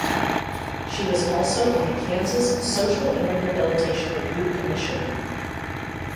She was also on the Kansas Social and Rehabilitation Review Commission.